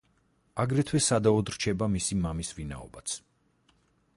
აგრეთვე სადავოდ რჩება მისი მამის ვინაობაც.